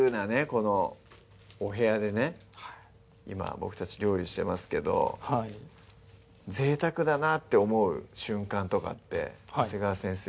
このお部屋でね今僕たち料理してますけどはいぜいたくだなって思う瞬間とかって長谷川先生